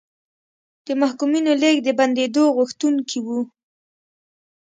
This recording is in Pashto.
د محکومینو لېږد د بندېدو غوښتونکي وو.